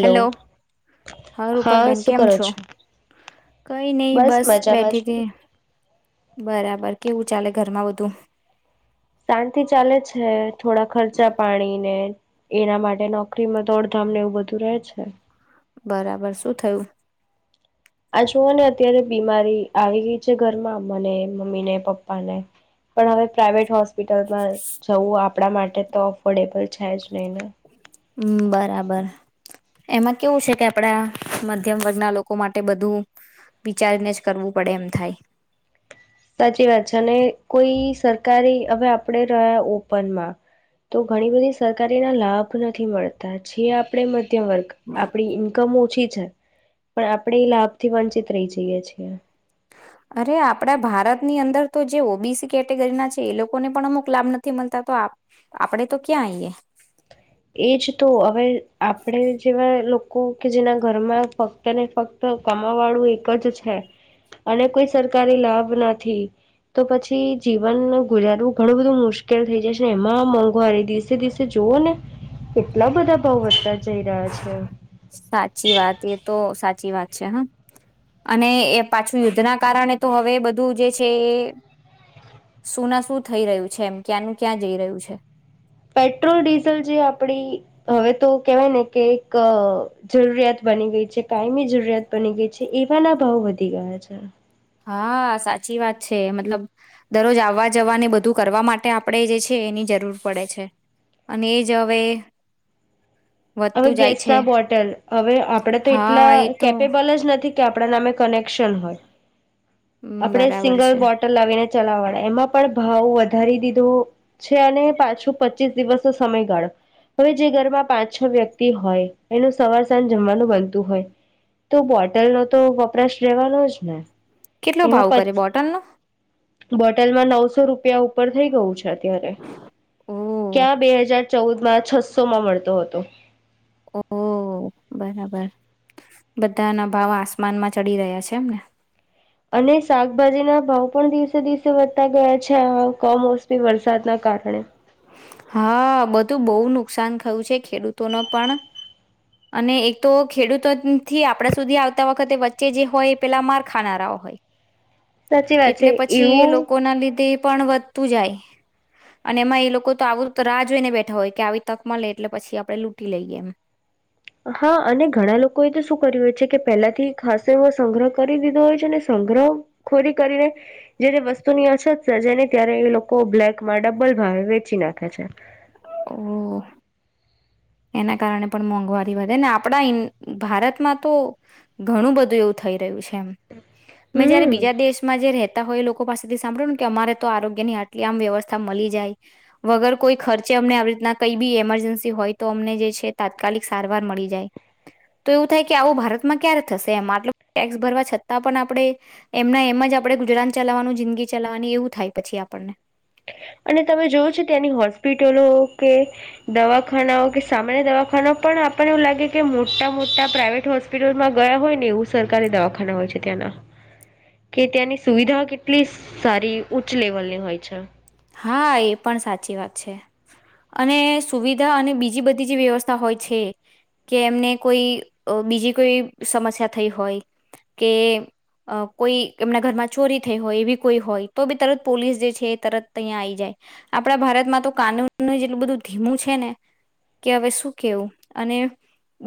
Hello, હા રૂપલ બેેન કેમ છો? કઈ નહી બસ મજામાં બેઠી છું હતી. બરાબર. કેવું ચાલે ઘરમાં બધું? શાંતિ ચાલે છે. થોડા ખર્ચા પાણી ને એના માટે નોકરીમાં દોડધામને એવું બધું રહે છે. બરાબર શું થયું? આ જુઓ ને અત્યારે બીમારી આવી ગઈ છે ઘરમાં મને મમ્મી ને પપ્પા ને પણ હવે પ્રાઇવેટ હોસ્પ હોસ્પિટલમાં જવું આપ આપડા માટે તો અફોર્ડેબલ છે, જ નહી ને હમ બરાબર એમાં કેવું છે, કે આપડા મધ્યમ વર્ગના લોકો માટે બધું વિચારીને જ કરવું પડે એમ થાય. સાચી વાત છે અને કોઈ સરકારી હવે આપણે રહ્યા ઓપનમાં તો ઘણી બધી સરકારીના લાભ નથી મળતા જે આપણે મધ્યમ વર્ગ આપણી ઇન્કમ ઓછી પણ આપણેે એ લાભ થી વંચિત રહી જઈએ છીએ. અરે આપડા ભારતની અંદર તો જે ઓબીસી કેટેગરીના છે, એ લોકોને પણ અમુક લાભ નથી મળતા તો આપડે તો ક્યાં આઈયએ. એજ તો હવે આપણેે જેવા લોકો લોકો કે જેના ઘરમાં ફક્ત ને ફક્ત કમા વાળું એક જ છે, અને કોઈ સરકારી લાભ નથી તો પછી જીવન ગુજારવું ઘણું બધું મુશ્કેલ થઈ જાય છે ને એમાં મોંઘવારી દિવસે દિવસે તે જોવાને કે એટલા બધા ભાવ વધતા જઈ રહ્યા છે. સાચી વાત એ તો સાચી વાત છે હ અને એ પાછું યુદ્ધના કારણે તો હવે બધું જે છે એ શું ના શું થઈ રહ્યું છે એમ ક્યાંનું ક્યાં જઈ રહ્યું છે. પેટ્રોલ ડીઝલ જે આપડી હવે તો. કહેવાય ને કે જરૂરિયાત બની ગઈ છે કાયમી જરૂરિયાત બની ગઈ છે એવાના ભાવ વધી ગયા છે. હા સાચી વાત છે મતલબ દરરોજ આવવા જવાને બધું કરવા માટે આપણેે જે છે એની જરૂર પડે છે અને એજ હવે. હવે વધતું જાય છે ગેસના બોટલ હવે આપડે તો હા એટલા એ તો કેપેબલ જ નથી. કે આપણા નામે કનેક્શન હોય. હમ, આપણે બરાબર સિંગલ છે બોટલ લાવીને. ચલાવવાળા એમાં પણ ભાવ વધારી દીધો છે અને પાછો પચીસ દિવસનો સમયગાળો હવે જે ઘરમાં પાંચ છ વ્યક્તિ હોય એનું સવાર સાંજ જમવાનું બનતું હોય તો બોટલનોો તો વપરાશ રહેેવાનો જ ને. કેટલો એમાં ભાવ પ કરે બોટલનો? બોટલમાં નવસો રૂપિયા ઉપર થઇ ગયું છે. વધ્યા ત્યારે ઓ ક્યાં બે હજાર. ચૌદ માં છસો માં મળતો હતો. ઓહો બરાબર બધાના ભાવ આસમાનમાં ચડી રહ્યા છે એમને. અને શાકભાજી ના ભાવ. પણ દિવસે દિવસે વધતા ગયા છે આ ક મોસમી વરસાદના કારણે. હા બધું બહુ નુકસાન થયું છે ખેડૂતો ન પણ અને એક તો ખેડૂતોથી આપડા સુધી આવતા વખતે વચ્ચે જે હોય એ પેલા માર ખાનારા હોય. સાચી વાત એટલે છે પછી એ એવું લોકો ના લીધે પણ વધતું જાય અને એમાં એ લોક લોકો તો આવું રાહ જોઈ ને બેઠા હોય કે આવી તક મળ લે એટલે પછી આપડણે લૂંટી લઈએ એમ. હા અને ઘણા લોકોએ તો શું કર્યું હોય છે કે પેલાથી ખાસ એવો સંગ્રહ કરી દીધો હોય છે અને સંગ્રહ ખોરી કરીને જયારે વસ્તુની અછત સર્જાય ને ત્યારે એ લોકો બ્લેકમાં ડબલ ભાવે વેચી નાખે છે. ઓ એના કારણે પણ મોંઘવારી વધે ને આપણા ભારતમાં તો ઘણું બધું એવું થઈ રહ્યું છે એમ. મેં જયારે હમ બીજા દેશમાં જે રહ લોકો પાસેથી સાંભળ્યુંને કે અમારે તો આરોગ્ય ની આટલી આમ વ્યવસ્થા મળી જાય વગર કોઈ ખર્ચે અમને આવી રીતના કઈ બી એમરજન્સી હોય તો અમને જે છે તાત્કાલિક સારવાર મળી જાય તો એવું થાય કે આવું ભારતમાં ક્યારે થશે એટલ ટેક્સ ભરવા છતાં પણ આપણે એમના એમ જ આપણે ગુજરાન ચલાવવાનું જિંદગી ચલાવવાની એવું થાય પછી આપણને અને તમે જોવ છો ત્યાંની હોસ્પિટલો કે દવાખાનાઓ કે સામાન્ય દવાખાનાઓ પણ આપણને એવું લાગે કે મોટા મોટા પ્રાઇવેટ હોસ્પિટલમાં ગયા હોય ને એવું સરકારી દવાખાના હોય છે ત્યાંના કે ત્યાંની સુવિધાઓ કેટલી સારી ઉચ્ચ લેવલની હોય છે. હા એ પણ સાચી વાત છે અને સુવિધા અને બીજી બધી જે વ્યવસ્થા હોય છે કે એમને કોઈ બીજી કોઈ સમસ્યા થઈ હોય કે કોઈ એમના ઘરમાં ચોરી થઈ હોય એવી કોઈ હોય તો બી તરત પોલીસ જે છે તરત તહીં આ આવી જાય આપણા ભારતમાં તો કાનૂનનું જેટલું બધું ધીમું છે ને કે હવે શું કેવું અને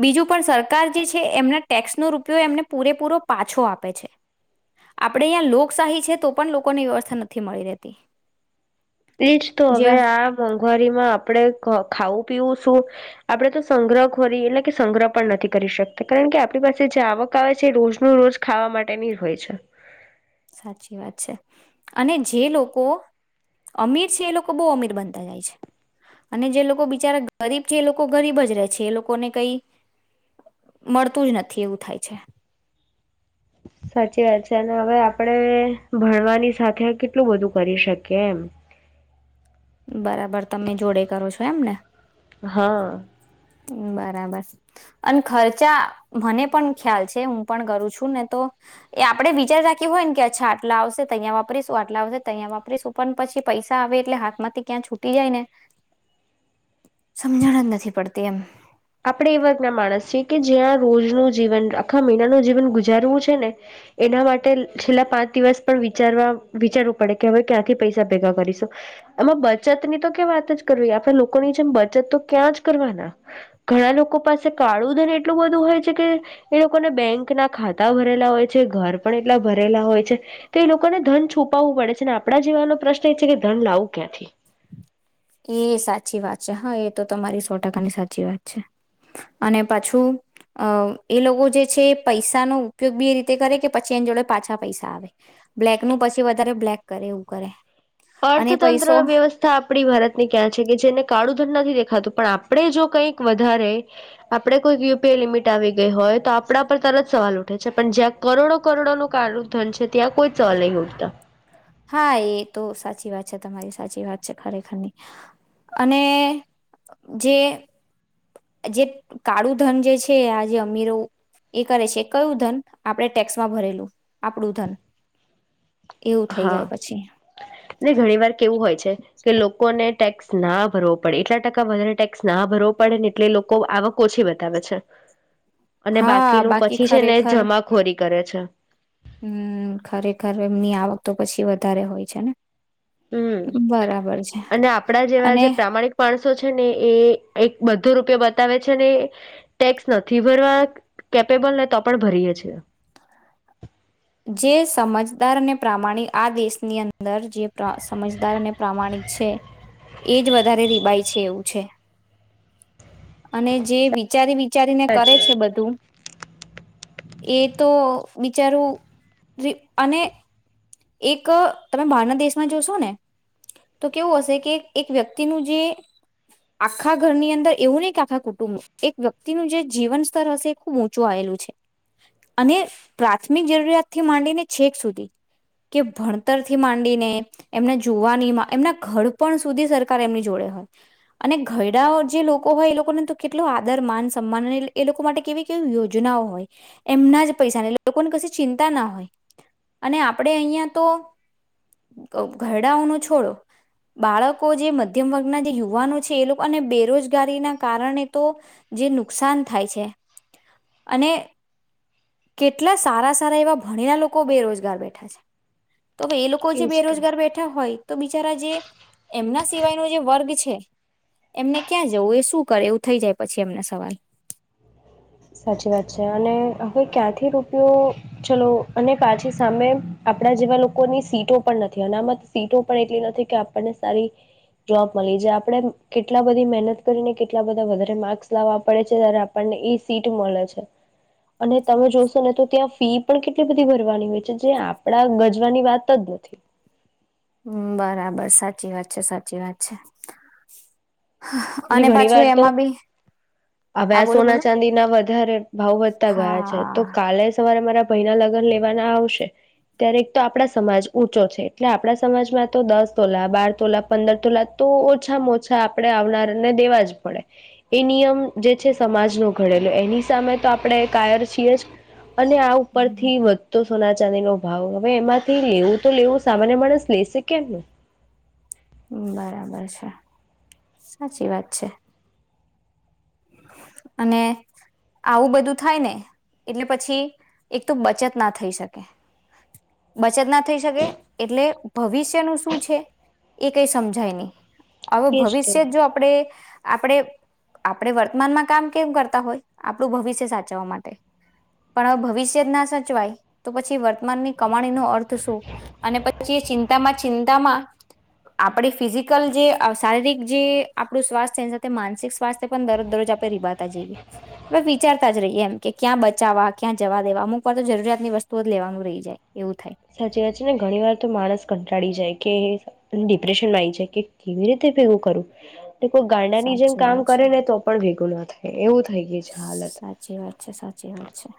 બીજું પણ સરકાર જે છે એમના ટેક્સ નો રૂપિયો એમને પૂરેપૂરો પાછો આપે છે આપણે અહીં લોકશાહી છે તો પણ લોકોની વ્યવસ્થા નથી મળી રહેતી એજ તો હવે જે આ મોંઘવારીમાં આપણે ખાવું પીવું શું આપણેે તો સંગ્રહ ખોરી એટલે કે સંગ્રહ પણ નથી કરી શકતા કારણ કે આપણી પાસે જે આવક આવે છે એ રોજનું રોજ ખાવા માટેની હોય છે. સાચી વાત છે અને જે લોકો અમીર છે એ લોકો બહુ અમીર બનતા જાય છે અને જે લોકો બિચારા ગરીબ છે એ લોકો ગરીબ જ રહે છે એ લોકોને કઈ મળતું જ નથી એવું થાય છે. સાચી વાત છે અને હવે આપણેે ભણવાની સાથે કેટલું બધું કરી શકીએ એમ બરાબર તમે જોડે કરો છો એમને હા. બરાબર અને ખર્ચા મને પણ ખ્યાલ છે હું પણ કરું છું ને તો એ આપડે વિચાર રાખી હોય ને કે અચ્છા આટલા આવશે તહીયા વાપરીશું આટલા આવશે તહીંયા વાપરીશું પણ પછી પૈસા આવે એટલે હાથમાં ક્યાં છૂટી જાય ને સમજણ જ નથી પડતી એમ આપણે એ વર્ગના માણસ છીએ કે જ્યાં રોજ ન જીવન આખા મહિનાનું જીવન ગુજારવું છે ને એના માટે છેલ્લા પાંચ દિવસ પણ વિચારવા વિચારવું પડે કે હવે ક્યાંથી પૈસા ભેગા કરીશું એમાં બચત ની તો કે વાત જ કરવી આપે લોકોની જેમ બચત તો ક્યાં જ કરવાના ઘણા લોકો પાસે કાળું ધન એટલું બધું હોય છે કે એ લોકોને બેંક ના ખાતા ભરેલા હોય છે ઘર પણ એટલા ભરેલા હોય છે તો એ લોકોને ધન છુપાવવું પડે છે અને આપણા જીવાનનો પ્રશ્ન એ છે કે ધન લાવું ક્યાંથી. એ સાચી વાત છે હા એ તો તમારી સો ટકાની સાચી વાત છે અને પાછું એ લોકો જે છે પૈસાનો ઉપયોગ બી એ રીતે કરે કે પછી એની જોડે પાછા પૈસા આવે બ્લેક નું પછી વધારે બ્લેક કરે એવું કરે અને અર્થતંત્ર પૈસો વ્યવસ્થા ા આપણી ભારતની ક્યાં છે કે જેને કાળું ધન નથી દેખાતું પણ આપણે જો કંઈક વધારે આપણે કોઈક યુપીએ લિમિટ આવી ગઈ હોય તો આપણા પર તરત સવાલ ઉઠે છે પણ જ્યાં કરોડો કરોડો નું કાળુ ધન છે ત્યાં કોઈ સવાલ નહીં ઉઠતા હા એ તો સાચી વાત છે તમારી સાચી વાત છે ખરેખરની અને જે જે કાળું ધન જે છે આ જે અમીરો એ કરે છે કયું ધન આપડે ટેક્સમાં ભરેલું આપડું ધન. એવું થઈ જાય હા પછી ને ઘણી વાર કેવું હોય છે. કે લોકોને ટેક્સ ના ભરવો પડે એટલા ટકા વધારે ટેક્સ ના ભરવો પડે ને એટલે લોકો આવક ઓછી બતાવે છે. અને હા બાકીનું બાકી પછી છે ને ખરેખર જમાખોરી કરે છે. હમ ખરેખર એમની આવક તો પછી વધારે હોય છે ને હમ બરાબર છે અને આપણા જેવા અને જે પ્રામાણિક માણસો છે ને એ એક બધો રૂપિયો બતાવે છે ને ટેક્સ નથી ભરવા કેપેબલ ને તો પણ ભરીયે છે. જે સમજદાર અને પ્રામાણિક આ દેશની અંદર જે સમજદાર અને પ્રામાણિક છે એ જ વધારે રિબાય છે એવું છે. અને જે વિચારી વિચારીને કરે સાચી છે વાત બધું એ તો બિચારું અને એક તમે બહારના દેશમાં જોશો ને તો કેવું હશે કે એક વ્યક્તિનું જે આખા ઘરની અંદર એવું નહી કે આખા કુટુંબ એક વ્યક્તિનું જે જીવન સ્તર હશે એ ખૂબ ઊંચું આવેલું છે અને પ્રાથમિક જરૂરિયાત થી માંને છેક સુધી કે ભણતરથી માંડીને એમના જોવાની એમના ઘડપણ સુધી સરકાર એમની જોડે હોય અને ઘરડા જે લોકો હોય એ લોકોને તો કેટલો આદર માન સન્માન એ લોકો માટે કેવી કેવી યોજનાઓ હોય એમના જ પૈસા લોકોને ક ચિં હોય અને આપણે અહિયાં તો ઘરડાઓ ન છોડો બાળકો જે મધ્યમ વર્ગના જે યુવાનો છે એ લોકો અને બેરોજગારી ના કારણે તો જે નુકસાન થાય છે અને કેટલા સારા સારા એવા ભણી ના લોકો બેરોજગાર બેઠા છે. તોવે એ લોકો જે એજ તો. બેરોજગાર બેઠા હોય તો બિચારા જે એમના સિવાયનો જે વર્ગ છે એમને ક્યાં જવું એ શું કરે એવું થઈ જાય પછી એમના સવાલ સાચી વાત છે અને હવે ક્યાંથી રૂપિયો ચલો અને પાછી સામે આપડા જેવા લોકોની સીટો પણ નથી અનામત સીટો પણ એટલી નથી કે આપણને સારી જોબ મળી જાય આપણે કેટલા બધી મહેનત કરીને કેટલા બધા વધારે માર્ક્સ લાવવા પડે છે ત્યારે આપણને સીટું મળલા છે અને તમે જોશો ને તો ત્યાં ફી પણ કેટલી બધી ભરવાની હોય છે જે આપડા ગજવાની વાત જ નથી. હ બરાબર સાચી વાત છે સાચી વાત છે. અને ઘણી પાછું વાર તો એમાં બી હા હ્યા બોલો સોના બોલો ચાંદીના વધારે ભાવ વધતા ગયા છે તો હા કાલે સવારે મારા ભયના લગ્ન લેવાના આવશે ત્યારે એક તો આપણા સમાજ ઊંચો છે એટલે આપણા સમાજમાં તો દસ તોલા, બાર તોલા, પંદર તોલા તો ઓછામાં ઓછા આપણે આવનાર દેવા જ પડે એ નિયમ જે છે સમાજ નો ઘડેલો એની સામે તો આપણે કાયર છીએ જ. અને આ ઉપર થી વધતો સોના ચાંદી નો ભાવ હવે એમાંથી લેવું તો લેવું સામાન્ય માણસ લેશે કેમનું. બરાબર છે. સાચી વાત છે. અને આવું બધું થાય ને એટલે પછી એક તો બચત ના થઈ શકે બચત ના થઈ શકે એટલે ભવિષ્યનું શું છે એ કઈ સમજાય નહી. હવે એજ તો ભવિષ્ય જો આપણેે આપણેે આપણે વર્તમાનમાં કામ કેમ કરતા હોય આપણું ભવિષ્ય સાચવવા માટે પણ હવે ભવિષ્ય જ ના સાચવાય તો પછી વર્તમાનની કમાણી નો અર્થ શું અને પછી ચિંતામાં ચિંતામાં આપણી ફિઝિકલ જે શારીરિક જે આપણું સ્વાસ્થ્ય એની સાથે માનસિક સ્વસ્થ પણ દરજ દરરોજ આપડે રીબાતા જઈએ. આપ વિચારતા જ રહીએ એમ કે ક્યાં બચાવવા, ક્યાં જવા દેવા અમુક વાર તો જરૂરિયાતની વસ્તુ જ લેવાનું રહી જાય એવું થાય. સાચી વાત છે ને ઘણી વાર તો માણસ કંટાળી જાય કે ડિપ્રેશનમાં આવી જાય કે કેવી રીતે ભેગું કરું. કોઈ ગાડાની જેમ સાચી કામ વાત છે કરે ને તો પણ ભેગું નથી એવું થઈ ગઈ છે હાલત સાચી વાત છે. સાચી વાત છે.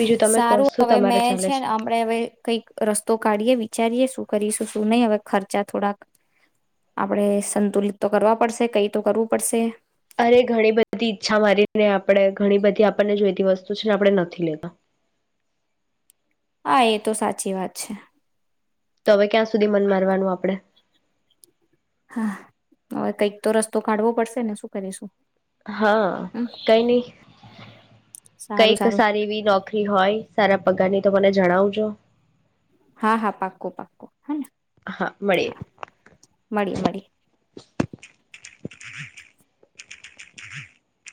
બીજું તમે કહો સારું શું હવે તમારે મેં ચાલે છે ને હમણે હવે કઈક રસ્તો કાઢી એવી વિચારીએ શું કરીશું શું નહી હવે ખર્ચા થોડાક. આપણેે સંતુલિત તો કરવા પડશે કઈ તો કરવું પડશે. અરે ઘણી બધી ઈચ્છા મારીને આપણે ઘણી બધી આપણને જોઈતી વસ્તુ છે ને આપણે નથી લેતા. હા એ તો સાચી વાત છે. તો હવે ક્યાં સુધી મન મારવાનું આપણેે. હા હવે કંઈક તો રસ્તો કાઢવો પડશે ને શું કરીશું. હા હમ કઈ નઈ સારું કઈક સારું સારી એવી નોકરી હોય. સારા પગારની તો મને જણાવજો. હા હા પાક્કો પાક્કો હેને. હા, મળીએ મળીએ.